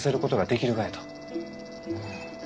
うん。